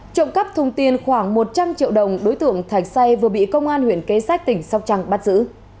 trộm cắp thùng tiền khoảng một trăm linh triệu đồng đối tượng thạch say vừa bị công an huyện kê sách tỉnh sóc trăng bắt giữ